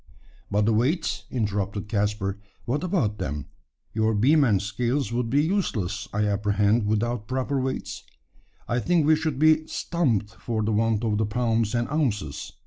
"But the weights?" interrupted Caspar. "What about them? Your beam and scales would be useless, I apprehend, without proper weights? I think we should be `stumped' for the want of the pounds and ounces."